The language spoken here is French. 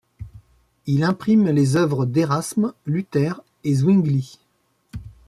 Il imprime les œuvres d'Érasme, Luther et Zwingli.